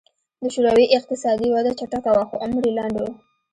د شوروي اقتصادي وده چټکه وه خو عمر یې لنډ و